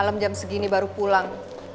malam jam segini baru pulang